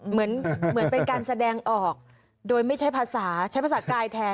เหมือนเป็นการแสดงออกโดยไม่ใช้ภาษาใช้ภาษากายแทน